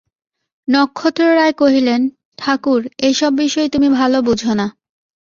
নক্ষত্ররায় কহিলেন, ঠাকুর, এ-সব বিষয়ে তুমি ভালো বোঝ না।